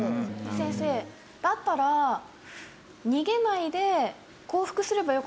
先生だったら逃げないで。